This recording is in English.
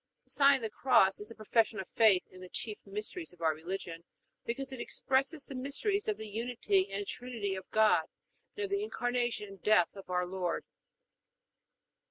The sign of the Cross is a profession of faith in the chief mysteries of our religion because it expresses the mysteries of the Unity and Trinity of God and of the Incarnation and death of our Lord.